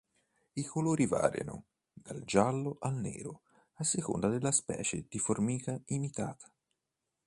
I colori variano dal giallo al nero, a seconda della specie di formica imitata.